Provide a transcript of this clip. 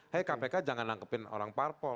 tapi kpk jangan menangkap orang parpol